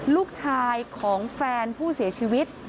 ลูกชายของแฟนผู้เสียชีวิต